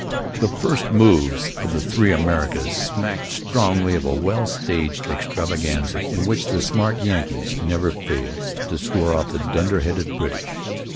The first moves of the three Americans smacked strongly of a well staged extravaganza in which the smart Yankees never failed to score off the dunderheaded British.